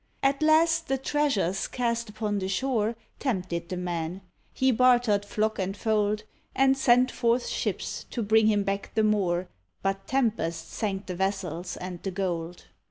At last the treasures cast upon the shore Tempted the man; he bartered flock and fold, And sent forth ships to bring him back the more; But tempests sank the vessels and the gold.